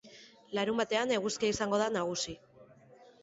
Larunbatean eguzkia izango da nagusi.